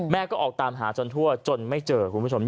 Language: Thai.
ก็ออกตามหาจนทั่วจนไม่เจอคุณผู้ชม